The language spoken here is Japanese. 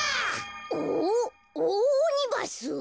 おオオオニバス？